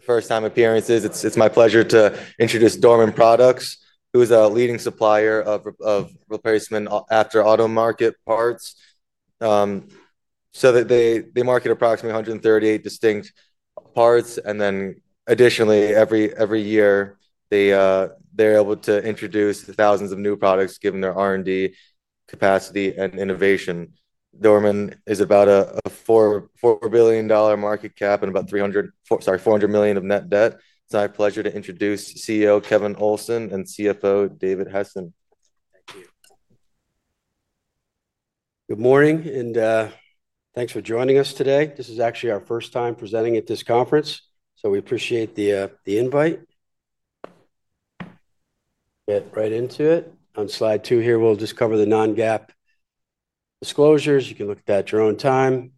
First-time appearances. It's my pleasure to introduce Dorman Products, who is a leading supplier of replacement aftermarket parts, so they market approximately 138 distinct parts, and then additionally, every year, they're able to introduce thousands of new products given their R&D capacity and innovation. Dorman is about a $4 billion market cap and about $300 million, sorry, $400 million of net debt. It's my pleasure to introduce CEO Kevin Olsen and CFO David Hession. Thank you. Good morning, and thanks for joining us today. This is actually our first time presenting at this conference, so we appreciate the invite. Get right into it. On slide two here, we'll just cover the non-GAAP disclosures. You can look at that at your own time.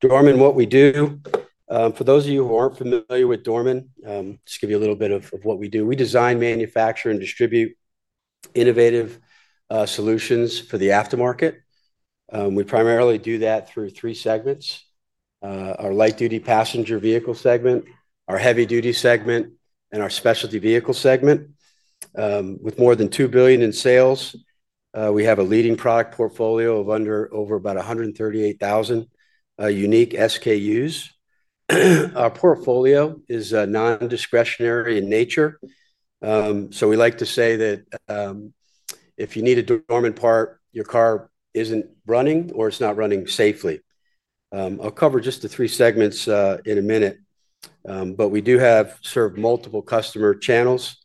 Dorman, what we do. For those of you who aren't familiar with Dorman, just to give you a little bit of what we do. We design, manufacture, and distribute innovative solutions for the aftermarket. We primarily do that through three segments. Our Light Duty Passenger Vehicle segment, our Heavy Duty segment, and our Specialty Vehicle segment. With more than $2 billion in sales, we have a leading product portfolio of over about 138,000 unique SKUs. Our portfolio is nondiscretionary in nature. So we like to say that. If you need a Dorman part, your car isn't running or it's not running safely. I'll cover just the three segments in a minute. But we do serve multiple customer channels,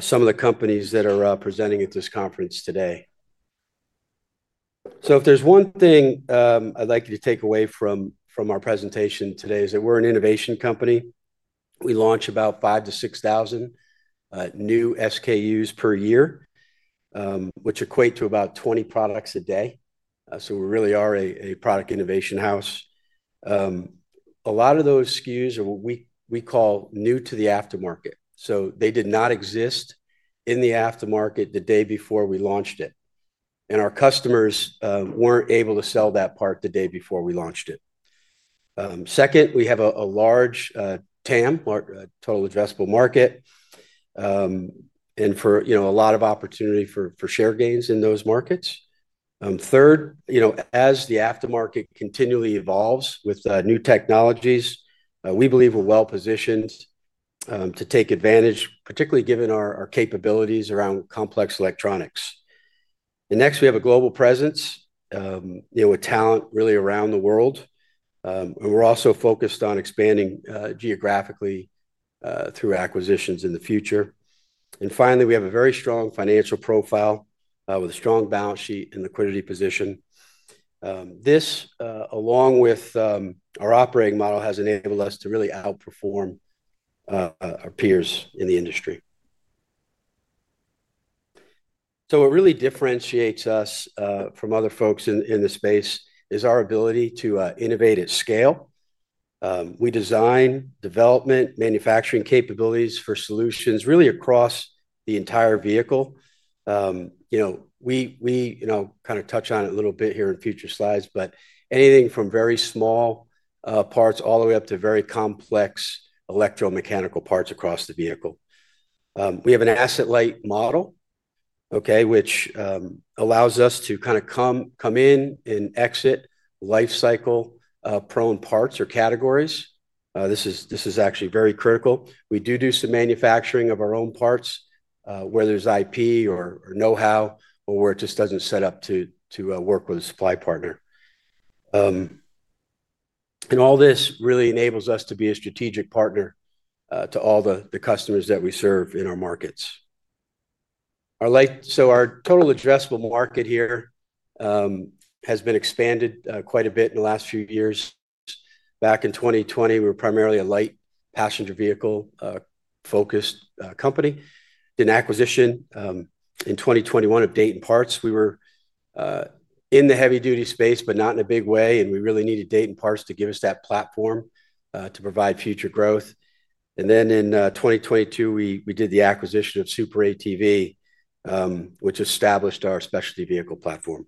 some of the companies that are presenting at this conference today. So if there's one thing I'd like you to take away from our presentation today is that we're an innovation company. We launch about 5,000-6,000 new SKUs per year. Which equate to about 20 products a day. So we really are a product innovation house. A lot of those SKUs are what we call new to the aftermarket. So they did not exist in the aftermarket the day before we launched it. And our customers weren't able to sell that part the day before we launched it. Second, we have a large TAM, total addressable market. And for a lot of opportunity for share gains in those markets. Third, as the aftermarket continually evolves with new technologies, we believe we're well positioned. To take advantage, particularly given our capabilities around complex electronics. And next, we have a global presence. With talent really around the world. And we're also focused on expanding geographically through acquisitions in the future. And finally, we have a very strong financial profile with a strong balance sheet and liquidity position. This, along with our operating model, has enabled us to really outperform our peers in the industry. So what really differentiates us from other folks in the space is our ability to innovate at scale. We design development manufacturing capabilities for solutions really across the entire vehicle. We kind of touch on it a little bit here in future slides, but anything from very small parts all the way up to very complex electromechanical parts across the vehicle. We have an asset-light model, which allows us to kind of come in and exit lifecycle-prone parts or categories. This is actually very critical. We do do some manufacturing of our own parts where there's IP or know-how or where it just doesn't set up to work with a supply partner. And all this really enables us to be a strategic partner to all the customers that we serve in our markets. So our total addressable market here has been expanded quite a bit in the last few years. Back in 2020, we were primarily a light passenger vehicle-focused company. Did an acquisition in 2021 of Dayton Parts. We were in the Heavy Duty space, but not in a big way. And we really needed Dayton Parts to give us that platform to provide future growth. And then in 2022, we did the acquisition of Super ATV, which established our Specialty Vehicle platform.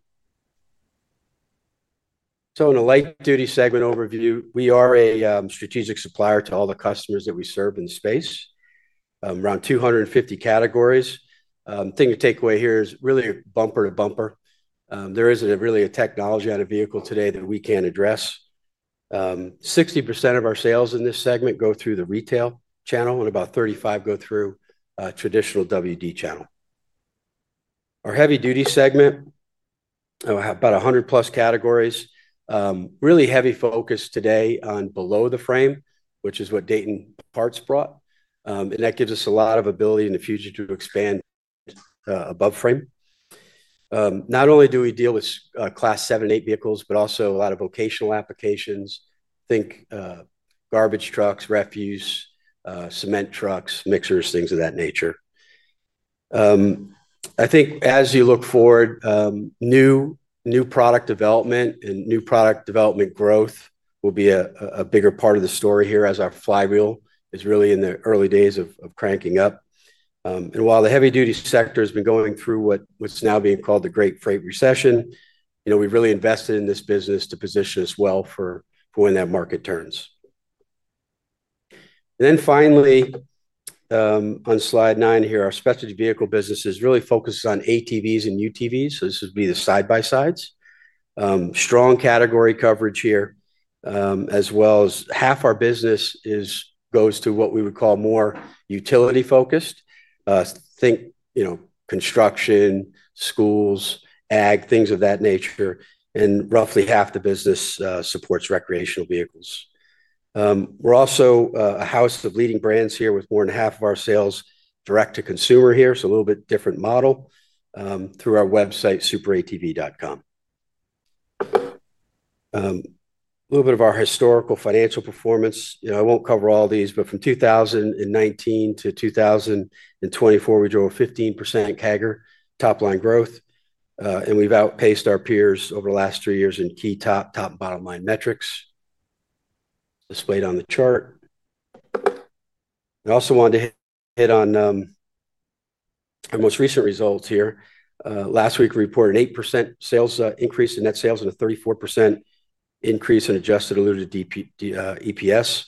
So in a Light Duty segment overview, we are a strategic supplier to all the customers that we serve in the space. Around 250 categories. The thing to take away here is really bumper to bumper. There isn't really a technology on a vehicle today that we can't address. 60% of our sales in this segment go through the retail channel, and about 35% go through the traditional WD channel. Our Heavy Duty segment. About 100+ categories. Really heavy focus today on below the frame, which is what Dayton Parts brought. And that gives us a lot of ability in the future to expand above frame. Not only do we deal with class 7 and 8 vehicles, but also a lot of vocational applications. Think garbage trucks, refuse, cement trucks, mixers, things of that nature. I think as you look forward, new product development and new product development growth will be a bigger part of the story here as our flywheel is really in the early days of cranking up. And while the Heavy Duty sector has been going through what's now being called the Great Freight Recession, we've really invested in this business to position us well for when that market turns. And then finally on slide nine here, our specialty vehicle business is really focused on ATVs and UTVs. So this would be the side-by-sides. Strong category coverage here as well as half our business goes to what we would call more utility-focused. Think construction, schools, ag, things of that nature. And roughly half the business supports recreational vehicles. We're also a house of leading brands here with more than half of our sales direct-to-consumer here. So a little bit different model through our website, superatv.com. A little bit of our historical financial performance. I won't cover all these, but from 2019 to 2024, we drove a 15% CAGR top-line growth. And we've outpaced our peers over the last three years in key top and bottom-line metrics displayed on the chart. I also wanted to hit on our most recent results here. Last week, we reported an 8% sales increase in net sales and a 34% increase in adjusted diluted EPS.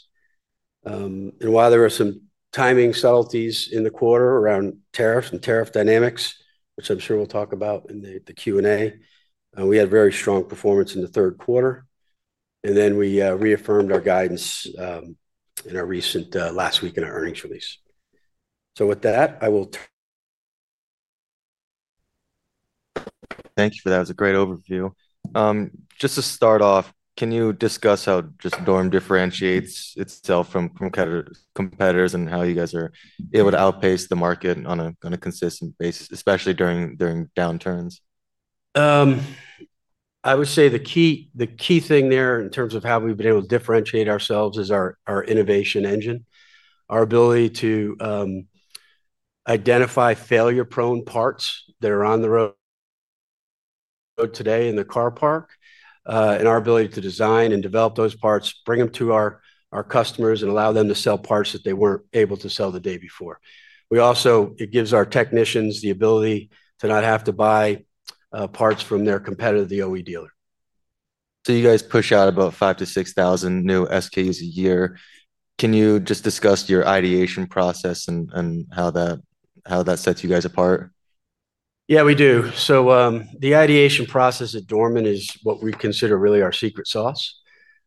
And while there were some timing subtleties in the quarter around tariffs and tariff dynamics, which I'm sure we'll talk about in the Q&A, we had very strong performance in the third quarter. And then we reaffirmed our guidance in our recent last week in our earnings release. So with that, I will. Thank you for that. That was a great overview. Just to start off, can you discuss how just Dorman differentiates itself from competitors and how you guys are able to outpace the market on a consistent basis, especially during downturns? I would say the key thing there in terms of how we've been able to differentiate ourselves is our innovation engine. Our ability to identify failure-prone parts that are on the road today in the car park, and our ability to design and develop those parts, bring them to our customers, and allow them to sell parts that they weren't able to sell the day before. It gives our technicians the ability to not have to buy parts from their competitor, the OE dealer. So you guys push out about 5,000-6,000 new SKUs a year. Can you just discuss your ideation process and how that sets you guys apart? Yeah, we do. So the ideation process at Dorman is what we consider really our secret sauce.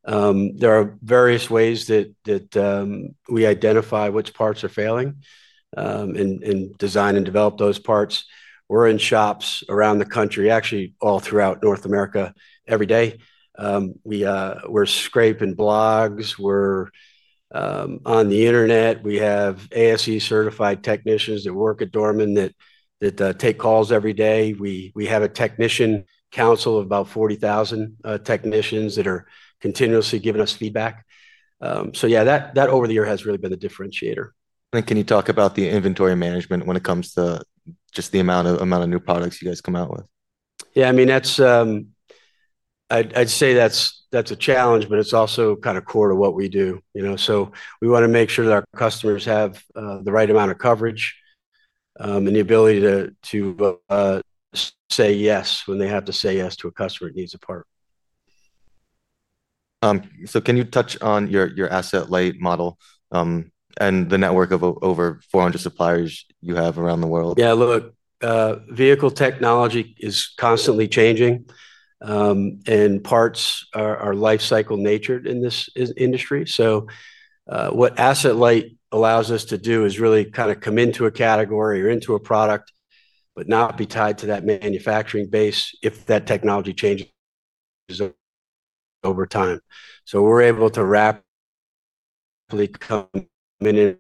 There are various ways that we identify which parts are failing and design and develop those parts. We're in shops around the country, actually all throughout North America every day. We're scraping blogs. We're on the internet. We have ASE-certified technicians that work at Dorman that take calls every day. We have a technician council of about 40,000 technicians that are continuously giving us feedback. So yeah, that over the year has really been the differentiator. Can you talk about the inventory management when it comes to just the amount of new products you guys come out with? Yeah, I mean. I'd say that's a challenge, but it's also kind of core to what we do. So we want to make sure that our customers have the right amount of coverage. And the ability to say yes when they have to say yes to a customer that needs a part. So can you touch on your asset-light model, and the network of over 400 suppliers you have around the world? Yeah, look, vehicle technology is constantly changing. And parts are lifecycle-natured in this industry. So what asset-light allows us to do is really kind of come into a category or into a product, but not be tied to that manufacturing base if that technology changes over time. So we're able to rapidly come in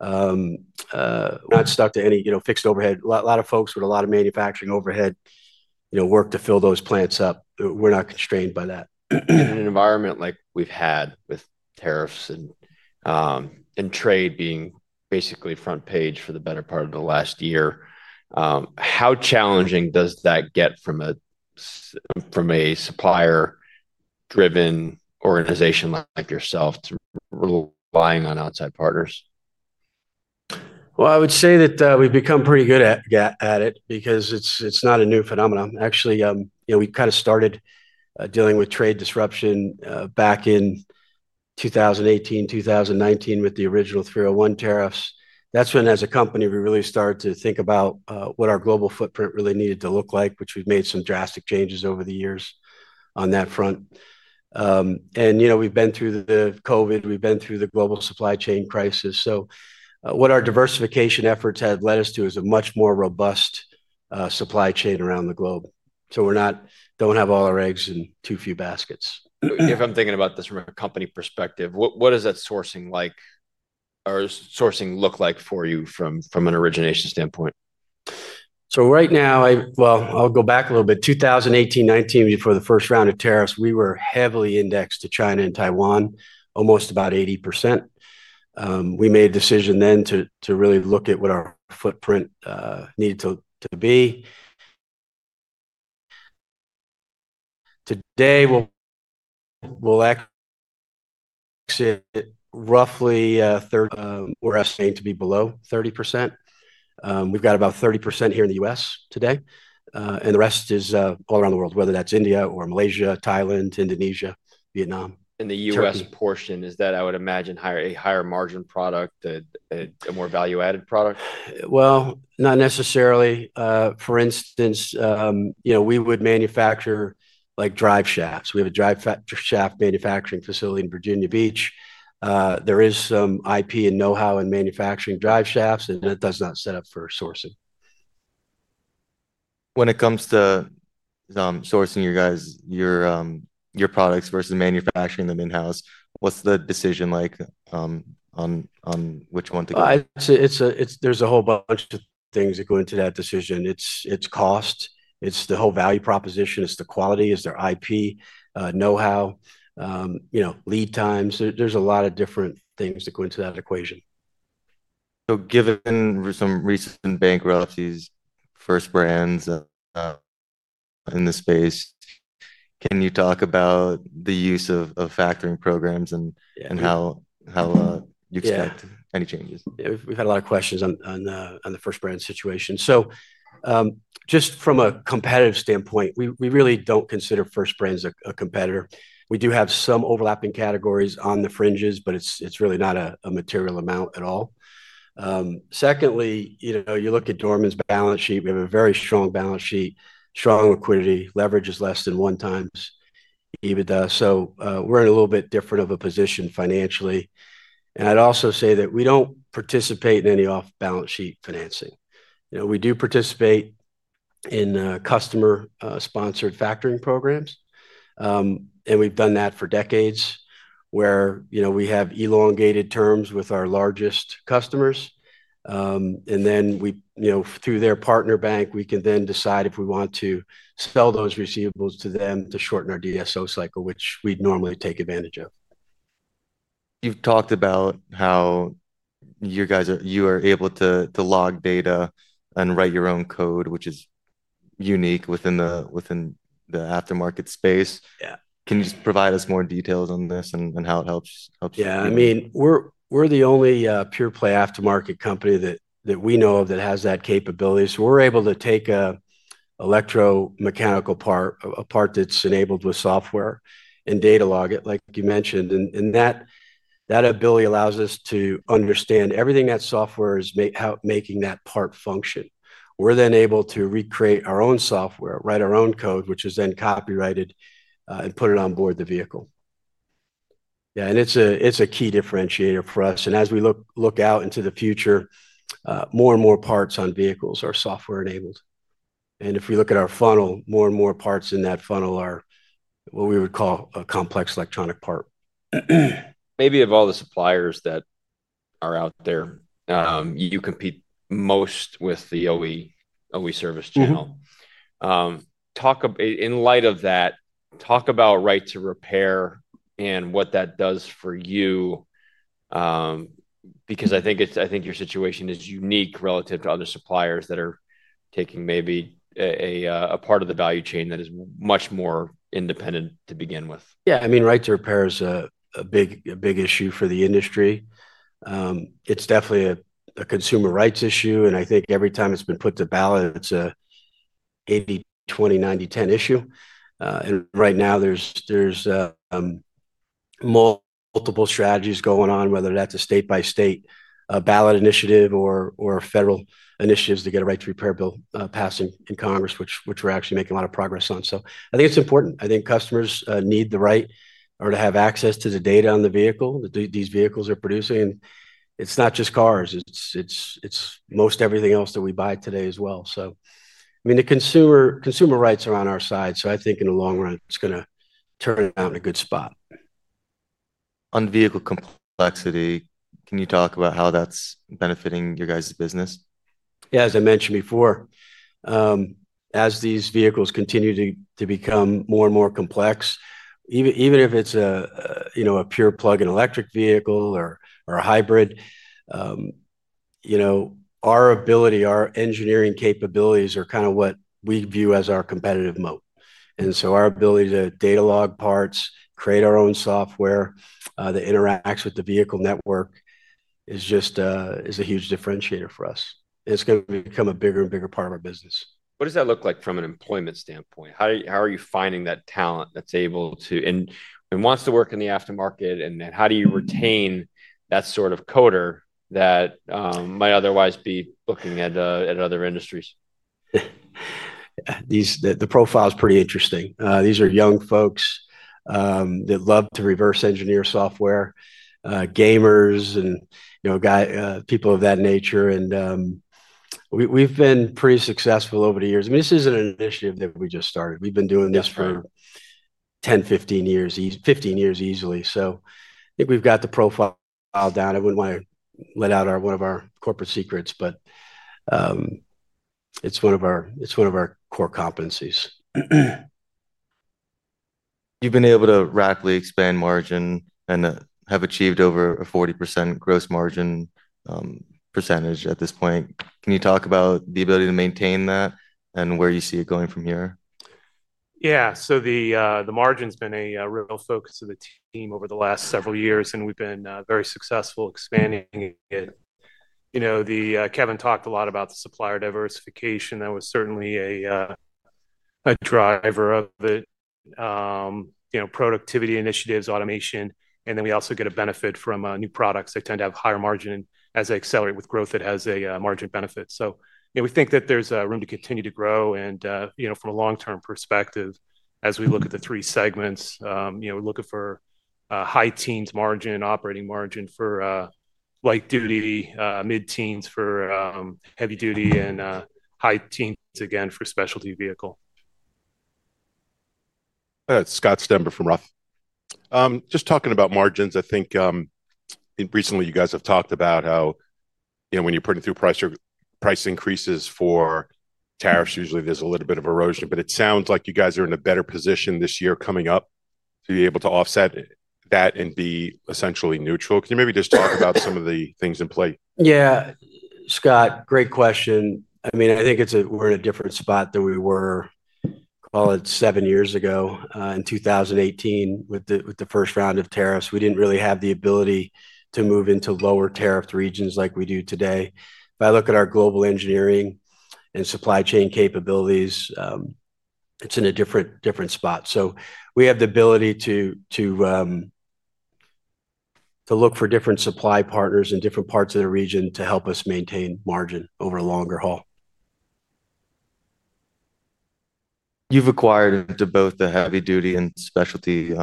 and out, not stuck to any fixed overhead. A lot of folks with a lot of manufacturing overhead work to fill those plants up. We're not constrained by that. In an environment like we've had with tariffs and trade being basically front page for the better part of the last year, how challenging does that get from a supplier-driven organization like yourself to relying on outside partners? I would say that we've become pretty good at it because it's not a new phenomenon. Actually, we kind of started dealing with trade disruption back in 2018, 2019 with the original 301 tariffs. That's when, as a company, we really started to think about what our global footprint really needed to look like, which we've made some drastic changes over the years on that front. We've been through the COVID. We've been through the global supply chain crisis. What our diversification efforts have led us to is a much more robust supply chain around the globe. We don't have all our eggs in too few baskets. If I'm thinking about this from a company perspective, what does that sourcing look like for you from an origination standpoint? So right now, well, I'll go back a little bit. 2018, 2019, before the first round of tariffs, we were heavily indexed to China and Taiwan, almost about 80%. We made a decision then to really look at what our footprint needed to be. Today, we're estimating to be below 30%. We've got about 30% here in the U.S. today. And the rest is all around the world, whether that's India or Malaysia, Thailand, Indonesia, Vietnam. The U.S. portion, is that, I would imagine, a higher margin product, a more value-added product? Not necessarily. For instance, we would manufacture drive shafts. We have a drive shaft manufacturing facility in Virginia Beach. There is some IP and know-how in manufacturing drive shafts, and that does not set up for sourcing. When it comes to sourcing your products versus manufacturing them in-house, what's the decision like on which one to go? There's a whole bunch of things that go into that decision. It's cost. It's the whole value proposition. It's the quality. Is there IP, know-how? Lead times. There's a lot of different things that go into that equation. So, given some recent bankruptcies, First Brands in the space. Can you talk about the use of factoring programs and how you expect any changes? We've had a lot of questions on the First Brands situation. So. Just from a competitive standpoint, we really don't consider First Brands a competitor. We do have some overlapping categories on the fringes, but it's really not a material amount at all. Secondly, you look at Dorman's balance sheet. We have a very strong balance sheet, strong liquidity. Leverage is less than one times EBITDA. So we're in a little bit different of a position financially. And I'd also say that we don't participate in any off-balance sheet financing. We do participate in customer-sponsored factoring programs. And we've done that for decades where we have elongated terms with our largest customers. And then through their partner bank, we can then decide if we want to sell those receivables to them to shorten our DSO cycle, which we'd normally take advantage of. You've talked about how you are able to log data and write your own code, which is unique within the aftermarket space. Can you just provide us more details on this and how it helps? Yeah. I mean, we're the only pure-play aftermarket company that we know of that has that capability. So we're able to take an electromechanical part, a part that's enabled with software, and data log it, like you mentioned. And that ability allows us to understand everything that software is making that part function. We're then able to recreate our own software, write our own code, which is then copyrighted, and put it on board the vehicle. Yeah. And it's a key differentiator for us. And as we look out into the future, more and more parts on vehicles are software-enabled. And if we look at our funnel, more and more parts in that funnel are what we would call a complex electronic part. Maybe of all the suppliers that are out there, you compete most with the OE service channel. In light of that, talk about right to repair and what that does for you. Because I think your situation is unique relative to other suppliers that are taking maybe a part of the value chain that is much more independent to begin with. Yeah. I mean, right to repair is a big issue for the industry. It's definitely a consumer rights issue, and I think every time it's been put to ballot, it's an 80-20-90-10 issue, and right now, there's multiple strategies going on, whether that's a state-by-state ballot initiative or federal initiatives to get a right to repair bill passing in Congress, which we're actually making a lot of progress on, so I think it's important. I think customers need the right to have access to the data on the vehicle that these vehicles are producing, and it's not just cars. It's most everything else that we buy today as well, so, I mean, the consumer rights are on our side, so I think in the long run, it's going to turn out in a good spot. On vehicle complexity, can you talk about how that's benefiting your guys' business? Yeah. As I mentioned before, as these vehicles continue to become more and more complex, even if it's a pure plug-in electric vehicle or a hybrid, our ability, our engineering capabilities, are kind of what we view as our competitive moat. And so our ability to data log parts, create our own software that interacts with the vehicle network, is a huge differentiator for us. It's going to become a bigger and bigger part of our business. What does that look like from an employment standpoint? How are you finding that talent that's able to and wants to work in the aftermarket? And how do you retain that sort of coder that might otherwise be looking at other industries? The profile is pretty interesting. These are young folks that love to reverse engineer software, gamers, and people of that nature. And we've been pretty successful over the years. I mean, this isn't an initiative that we just started. We've been doing this for 10, 15 years, 15 years easily. So I think we've got the profile down. I wouldn't want to let out one of our corporate secrets, but it's one of our core competencies. You've been able to rapidly expand margin and have achieved over a 40% gross margin percentage at this point. Can you talk about the ability to maintain that and where you see it going from here? Yeah. So the margin's been a real focus of the team over the last several years, and we've been very successful expanding it. Kevin talked a lot about the supplier diversification. That was certainly a driver of it. Productivity initiatives, automation. And then we also get a benefit from new products. They tend to have higher margin. And as they accelerate with growth, it has a margin benefit. So we think that there's room to continue to grow. And from a long-term perspective, as we look at the three segments, we're looking for high-teens margin, operating margin for light duty, mid-teens for heavy duty, and high-teens, again, for specialty vehicle. Scott Stember from ROTH. Just talking about margins, I think. Recently you guys have talked about how, when you're putting through price increases for tariffs, usually there's a little bit of erosion. But it sounds like you guys are in a better position this year coming up to be able to offset that and be essentially neutral. Can you maybe just talk about some of the things in play? Yeah, Scott, great question. I mean, I think we're in a different spot than we were, call it, seven years ago in 2018 with the first round of tariffs. We didn't really have the ability to move into lower tariffed regions like we do today. If I look at our global engineering and supply chain capabilities, it's in a different spot. So we have the ability to look for different supply partners in different parts of the region to help us maintain margin over a longer haul. You've acquired into both the Heavy Duty and Specialty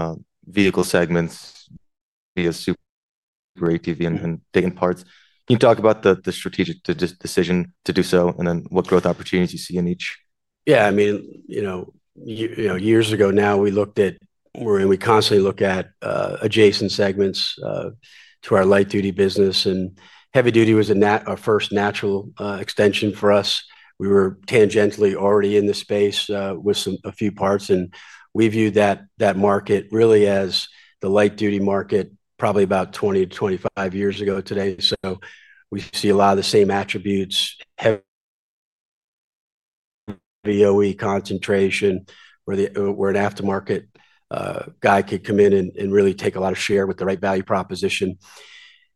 Vehicle segments. Via Super ATV and Dayton Parts. Can you talk about the strategic decision to do so and then what growth opportunities you see in each? Yeah. I mean. Years ago now, we looked at, and we constantly look at adjacent segments to our Light Duty business. And Heavy Duty was our first natural extension for us. We were tangentially already in the space with a few parts. And we viewed that market really as the Light Duty market probably about 20-25 years ago today. So we see a lot of the same attributes. The OE concentration where an aftermarket guy could come in and really take a lot of share with the right value proposition.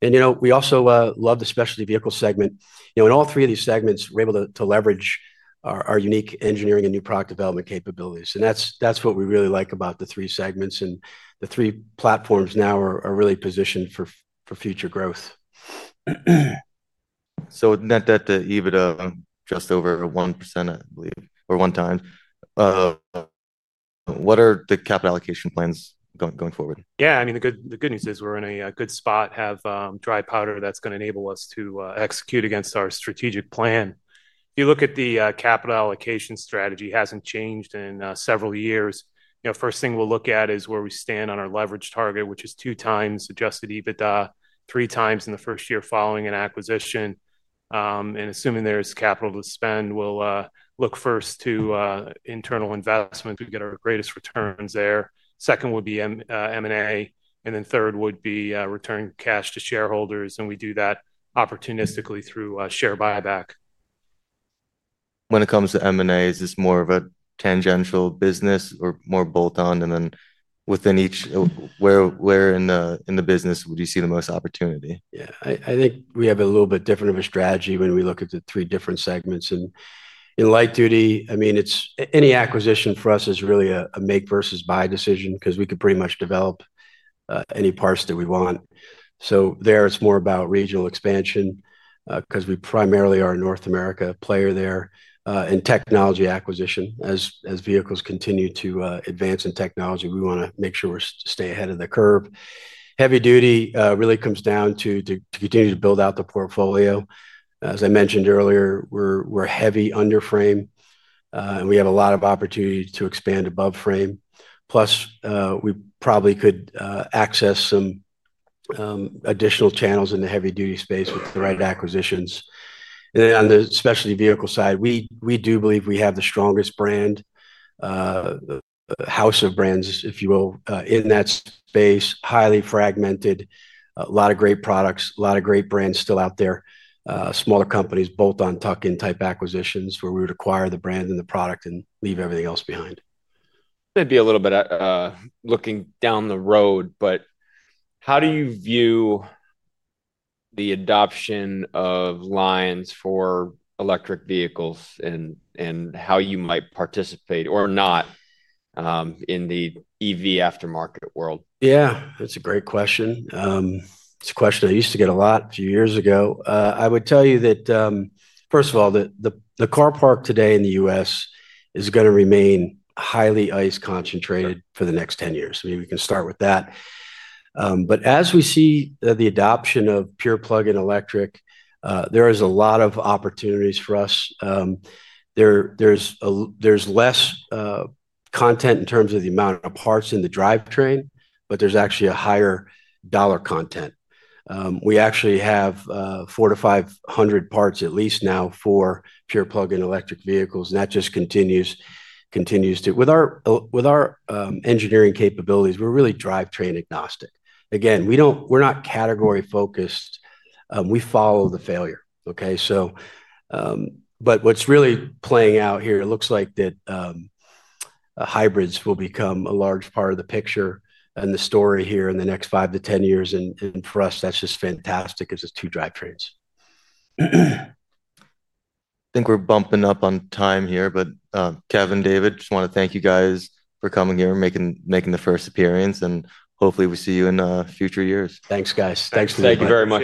And we also love the Specialty Vehicle segment. In all three of these segments, we're able to leverage our unique engineering and new product development capabilities. And that's what we really like about the three segments. And the three platforms now are really positioned for future growth. So net debt to EBITDA just over 1%, I believe, or one time. What are the capital allocation plans going forward? Yeah. I mean, the good news is we're in a good spot, have dry powder that's going to enable us to execute against our strategic plan. If you look at the capital allocation strategy, it hasn't changed in several years. First thing we'll look at is where we stand on our leverage target, which is two times adjusted EBITDA, three times in the first year following an acquisition. And assuming there's capital to spend, we'll look first to internal investment to get our greatest returns there. Second would be M&A. And then third would be returning cash to shareholders. And we do that opportunistically through share buyback. When it comes to M&A, is this more of a tangential business or more bolt-on? And then within each, where in the business would you see the most opportunity? Yeah. I think we have a little bit different of a strategy when we look at the three different segments. And in Light Duty, I mean, any acquisition for us is really a make versus buy decision because we could pretty much develop any parts that we want. So there, it's more about regional expansion because we primarily are a North America player there in technology acquisition. As vehicles continue to advance in technology, we want to make sure we stay ahead of the curve. Heavy Duty really comes down to continuing to build out the portfolio. As I mentioned earlier, we're heavy underframe. And we have a lot of opportunity to expand above frame. Plus, we probably could access some additional channels in the Heavy Duty space with the right acquisitions. And on the Specialty Vehicle side, we do believe we have the strongest brand house of brands, if you will, in that space, highly fragmented, a lot of great products, a lot of great brands still out there, smaller companies, bolt-on, tuck-in type acquisitions where we would acquire the brand and the product and leave everything else behind. Maybe a little bit looking down the road, but how do you view the adoption of lenses for electric vehicles and how you might participate or not in the EV aftermarket world? Yeah. That's a great question. It's a question I used to get a lot a few years ago. I would tell you that. First of all, the car park today in the U.S. is going to remain highly ICE-concentrated for the next 10 years. I mean, we can start with that. But as we see the adoption of pure plug-in electric, there is a lot of opportunities for us. There's less content in terms of the amount of parts in the drivetrain, but there's actually a higher dollar content. We actually have four to five hundred parts at least now for pure plug-in electric vehicles. And that just continues. With our engineering capabilities, we're really drivetrain agnostic. Again, we're not category-focused. We follow the failure. Okay? But what's really playing out here, it looks like that. Hybrids will become a large part of the picture and the story here in the next 5-10 years. And for us, that's just fantastic because there's two drivetrains. I think we're bumping up on time here, but Kevin and David, just want to thank you guys for coming here and making the first appearance. And hopefully, we see you in future years. Thanks, guys. Thanks for the time. Thank you very much.